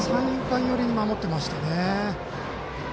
また三遊間寄りに守ってました。